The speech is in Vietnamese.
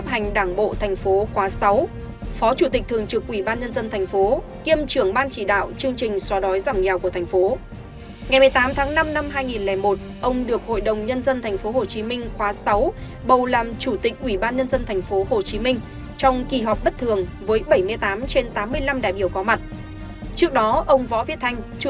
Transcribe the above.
tháng một năm một nghìn chín trăm chín mươi đến tháng một mươi hai năm hai nghìn ông là quỷ viên ban chấp hành đảng bộ tp khoá sáu phó chủ nhiệm ủy ban kế hoạch tp hcm quỷ viên ban chấp hành liên đoàn lao động tp hcm